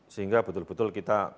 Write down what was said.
sehingga betul betul kita